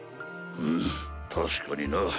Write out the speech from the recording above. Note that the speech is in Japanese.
うん確かにな。